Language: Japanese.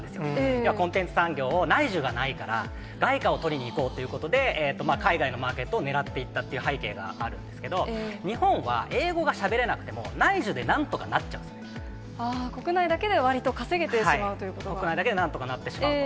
要は、コンテンツ産業を内需がないから、外貨を取りにいこうということで、海外のマーケットを狙っていったっていう背景があるんですけど、日本は英語がしゃべれなくても、内需でなんとかなっちゃうんですああ、国内だけでわりと稼げだけで、なんとかなってしまう。